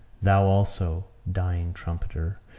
Thou also, Dying Trumpeter!